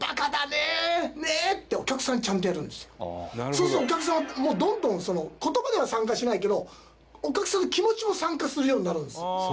そうするとお客さんはもうどんどんその言葉では参加しないけどお客さんの気持ちも参加するようになるんです。